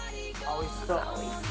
おいしそう。